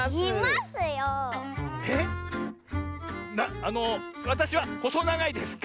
あのわたしはほそながいですか？